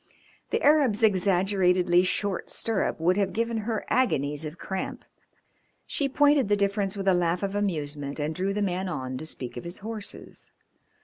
The Arab's exaggeratedly short stirrup would have given her agonies of cramp. She pointed the difference with a laugh of amusement and drew the man on to speak of his horses.